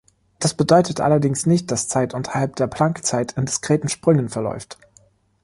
Das bedeutet allerdings nicht, dass Zeit unterhalb der Planck-Zeit in diskreten Sprüngen verläuft.